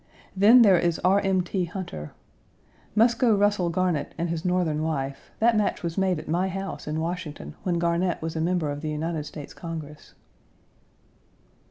Then, there is R. M. T. Hunter. Muscoe Russell Garnett and his Northern wife: that match was made at my house in Washington when Garnett was a member of the United States Congress.